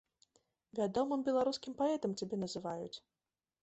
Вядомым беларускім паэтам цябе называюць!